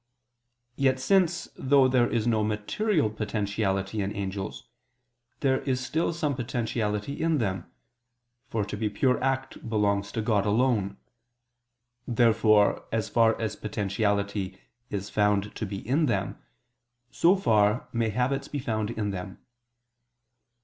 Yet since though there is no material potentiality in angels, there is still some potentiality in them (for to be pure act belongs to God alone), therefore, as far as potentiality is found to be in them, so far may habits be found in them.